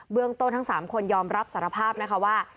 เรื่องต้นทั้ง๓คนยอมรับสารภาพนะคะว่า